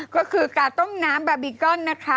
ก็คือการต้มน้ำบาบีกอนนะคะ